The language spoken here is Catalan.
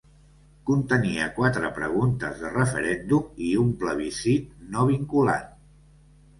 Contenia quatre preguntes de referèndum i un plebiscit no vinculant.